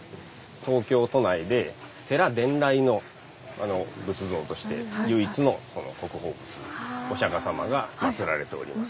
東京都内で寺伝来の仏像として唯一の国宝仏お釈様がまつられております。